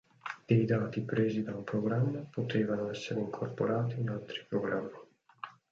Dei dati presi da un programma potevano essere incorporati in altri programmi.